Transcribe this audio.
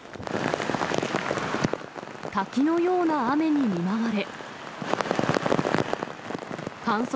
滝のような雨に見舞われ。